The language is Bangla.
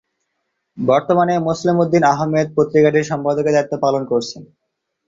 বর্তমানে মোসলেম উদ্দিন আহমেদ পত্রিকাটির সম্পাদকের দায়িত্ব পালন করছেন।